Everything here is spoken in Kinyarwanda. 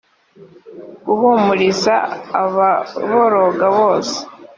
guhumuriza ababoroga bose